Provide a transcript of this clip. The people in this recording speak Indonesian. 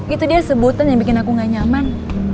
itu dia sebutan yang bikin aku gak nyaman